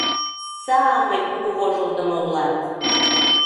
Са-амой кугу вожылдымо улат!